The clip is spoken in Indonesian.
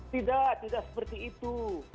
tidak tidak seperti itu